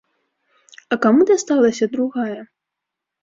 А каму дасталася другая?